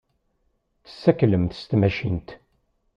Tessaklem s tmacint.